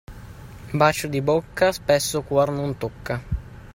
Bacio di bocca spesso cuor non tocca.